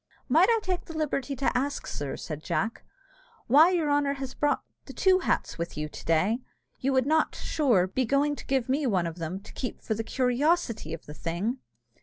"Might I take the liberty to ask, sir," said Jack, "why your honour has brought the two hats with you to day? You would not, sure, be going to give me one of them, to keep for the curiosity of the thing?"